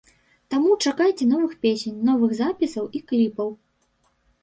Таму чакайце новых песень, новых запісаў і кліпаў!